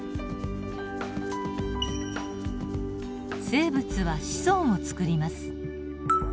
生物は子孫をつくります。